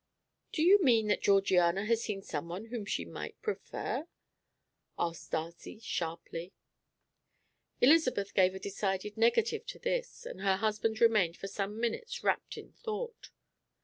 "Do you mean that Georgiana has seen someone whom she might prefer?" asked Darcy sharply. Elizabeth gave a decided negative to this, and her husband remained for some minutes wrapped in thought.